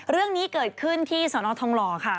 เรื่องนี้เกิดขึ้นที่สนทองหล่อค่ะ